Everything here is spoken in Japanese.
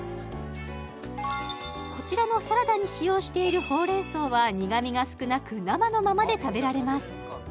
こちらのサラダに使用しているほうれん草は苦みが少なく生のままで食べられます